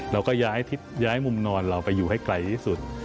เราก็ย้ายมุมนอนเราไปอยู่ให้ไกลที่สุด